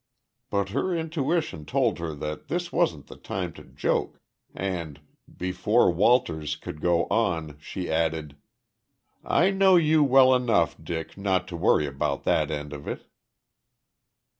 But her intuition told her that this wasn't the time to joke, and, before Walters could go on, she added, "I know you well enough, Dick, not to worry about that end of it."